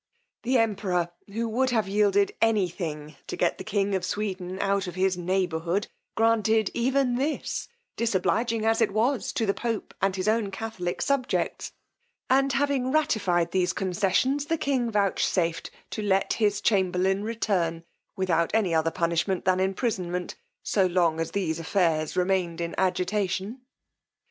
The emperor, who would have yielded any thing to get the king of Sweden out of his neighbourhood, granted even this, disobliging as it was to the pope and his own catholic subjects: and having ratified these concessions, the king vouchsafed to let his chamberlain return, without any other punishment than imprisonment, so long as these affairs remained in agitation.